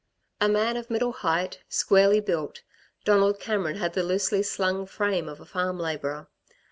A man of middle height, squarely built, Donald Cameron had the loosely slung frame of a farm labourer.